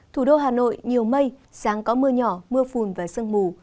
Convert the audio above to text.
thủ đô hà nội nhiều mây sáng có mưa nhỏ mưa phùn và sương mù